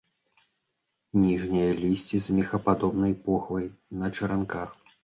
Ніжняе лісце з мехападобнай похвай, на чаранках.